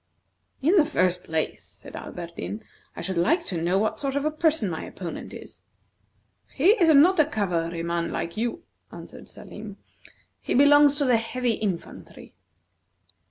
"In the first place," said Alberdin, "I should like to know what sort of a person my opponent is." "He is not a cavalryman like you," answered Salim; "he belongs to the heavy infantry."